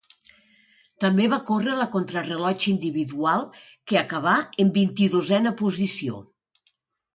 També va córrer la contrarellotge individual, que acabà en vint-i-dosena posició.